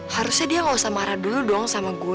harusnya dia gak usah marah dulu dong sama gue